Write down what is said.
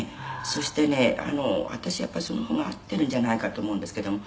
そしてね私やっぱりその方が合ってるんじゃないかと思うんですけれども」